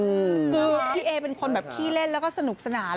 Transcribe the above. คือพี่เอเป็นคนแบบขี้เล่นแล้วก็สนุกสนาน